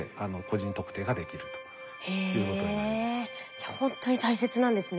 じゃあほんとに大切なんですね